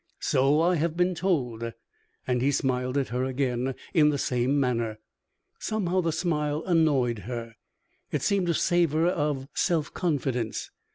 "So I have been told," and he smiled at her again, in the same manner. Somehow the smile annoyed her it seemed to savor of self confidence.